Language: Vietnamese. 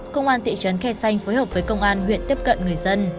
công an thị trấn khe xanh phối hợp với công an huyện tiếp cận người dân